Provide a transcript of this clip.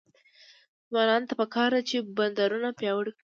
ځوانانو ته پکار ده چې، بندرونه پیاوړي کړي.